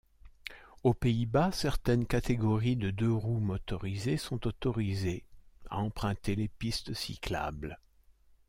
Aux Pays-Bas certaines catégories de deux-roues motorisés sont autorisés à emprunter les pistes cyclables.